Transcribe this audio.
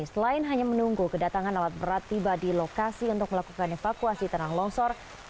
selain hanya menunggu kedatangan alat berat tiba di lokasi untuk melakukan evakuasi tanah longsor